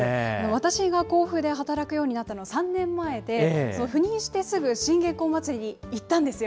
私が甲府で働くようになったのは３年前で、赴任してすぐ、信玄公祭りに行ったんですよ。